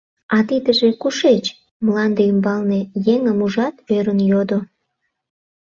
— А тидыже кушеч? — мланде ӱмбалне еҥым ужат, ӧрын йодо.